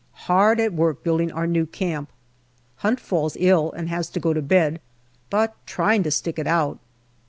Hard at work building our new camp. Hunt falls ill and has to go to bed, but trying to stick it out.